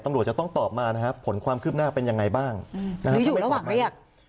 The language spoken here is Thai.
ตำรวจจะต้องตอบมานะครับผลความคืบหน้าเป็นยังไงบ้างที่ไปตรวจเรียก